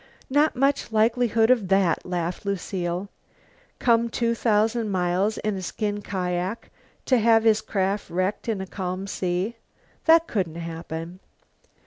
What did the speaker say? "Not much likelihood of that," laughed Lucile. "Come two thousand miles in a skin kiak to have his craft wrecked in a calm sea. That couldn't happen."